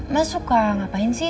mas suka ngapain sih